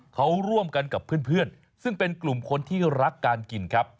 เขาร่วมกันกับเพื่อนซึ่งเป็นกลุ่มคนที่รักการกินครับ